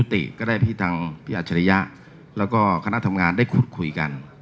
ติก็ได้พี่ทางพี่อัจฉริยะแล้วก็คณะทำงานได้พูดคุยกัน